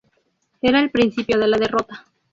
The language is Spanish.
Era el principio de la derrota.